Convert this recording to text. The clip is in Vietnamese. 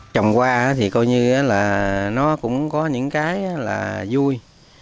trồng hoa thì coi như là nó cũng có những cái là vui